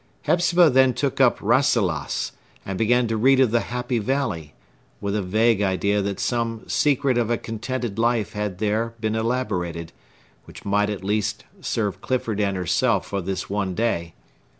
Hepzibah then took up Rasselas, and began to read of the Happy Valley, with a vague idea that some secret of a contented life had there been elaborated, which might at least serve Clifford and herself for this one day.